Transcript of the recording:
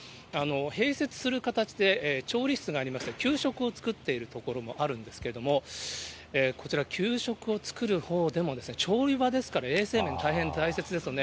併設する形で調理室がありまして、給食を作っている所もあるんですけれども、こちら、給食を作るほうでも調理場ですから、衛生面、大変大切ですよね。